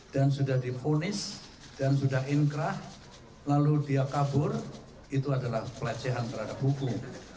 dan sudah dipunis dan sudah inkrah lalu dia kabur itu adalah pelecehan terhadap hukum